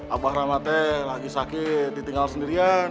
abah ramate lagi sakit ditinggal sendirian